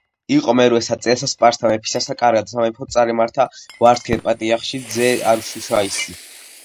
იყო მერვესა წელსა სპარსთა მეფისასა კარად სამეფოდ წარემართა ვარსქენ პიტიახში ძჱ არშუშაჲსი.